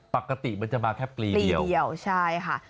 ปกติมันจะมาแค่ปลีเดียวใช่ค่ะ